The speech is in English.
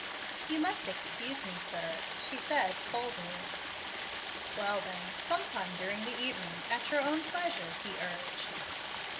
"You must excuse me, sir," she said coldly. "Well, then, some time during the evening, at your own pleasure," he urged.